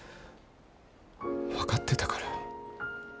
分かってたから。